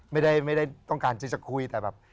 ไม่ได้ต้องการที่จะคุยแต่แบบ